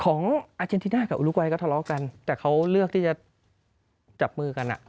ของอาเจนติน่ากับอุลุกวัยก็ทะเลาะกันแต่เขาเลือกที่จะจับมือกันอ่ะ